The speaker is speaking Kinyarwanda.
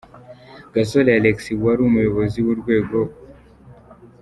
Gasore Alexis wari umuyobozi w’urwego P.